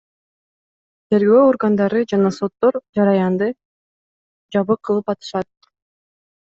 Тергөө органдары жана соттор жараянды жабык кылып атышат.